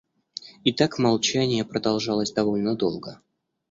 И так молчание продолжалось довольно долго.